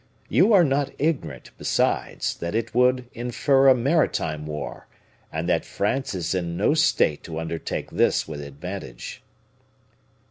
You are not ignorant, besides, that it would infer a maritime war, and that France is in no state to undertake this with advantage."